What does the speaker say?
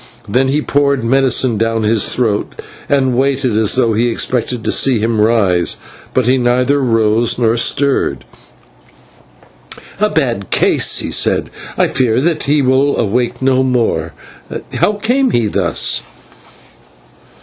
Then he poured medicine down his throat, and waited as though he expected to see him rise, but he neither rose nor stirred. "A bad case," he said. "I fear that he will awake no more. How came he thus?"